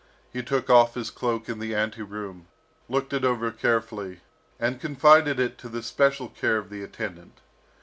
He took off his cloak in the ante room, looked it over carefully, and confided it to the special care of the attendant.